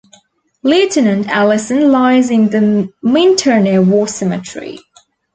Lieutenant Allison lies in the Minturno War Cemetery.